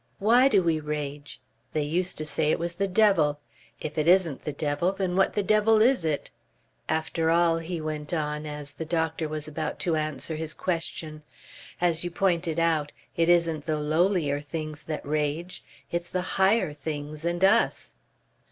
WHY do we rage? They used to say it was the devil. If it isn't the devil, then what the devil is it? After all," he went on as the doctor was about to answer his question; "as you pointed out, it isn't the lowlier things that rage. It's the HIGHER things and US."